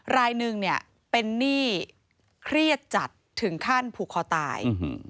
รายหนึ่งเนี่ยเป็นหนี้เครียดจัดถึงขั้นผูกคอตาย